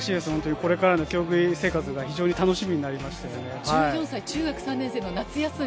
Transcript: これからの競技生活が非常に楽し１４歳、中学３年生の夏休み。